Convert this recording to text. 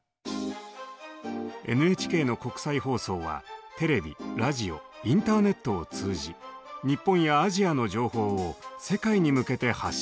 ＮＨＫの国際放送はテレビラジオインターネットを通じ日本やアジアの情報を世界に向けて発信しています。